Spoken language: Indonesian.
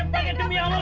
sumpah fatimah allah